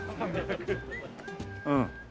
うん。